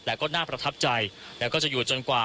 แต่ก็น่าประทับใจแล้วก็จะอยู่จนกว่า